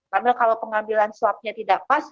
karena kalau pengambilan swabnya tidak pas